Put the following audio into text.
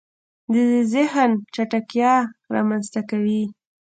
د زهن چټکتیا رامنځته کوي